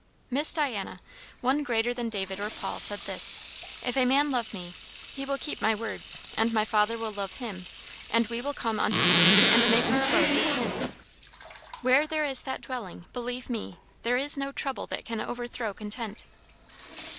"Miss Diana, One greater than David or Paul said this, 'If a man love me, he will keep my words; and my Father will love him; and we will come unto him, and make our abode with him.' Where there is that indwelling, believe me, there is no trouble that can overthrow content."